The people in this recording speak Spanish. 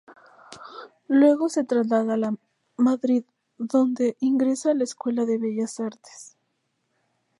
Luego se traslada a Madrid donde ingresa en la Escuela de Bellas Artes.